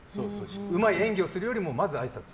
うまい演技をするよりもまずあいさつ。